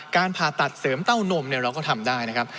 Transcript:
ผ่าตัดเสริมเต้านมเราก็ทำได้นะครับ